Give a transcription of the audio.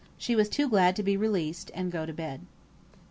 She was too glad to be released and go to bed.